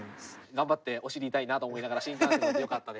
頑張ってお尻痛いなと思いながら新幹線でよかったです。